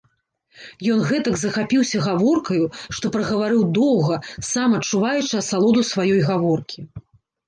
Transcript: Ён гэтак захапіўся гаворкаю, што прагаварыў доўга, сам адчуваючы асалоду сваёй гаворкі.